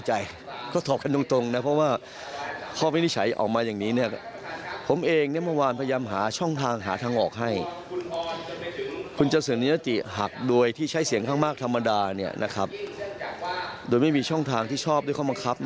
อ่ะครับแต่เมื่อมันออกมาอย่างงั้นมันก็ต้องยอมรับ